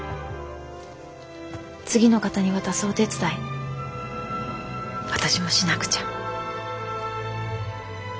次の方に渡すお手伝い私もしなくちゃ。